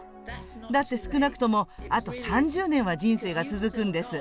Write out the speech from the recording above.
だって少なくともあと３０年は人生が続くんです。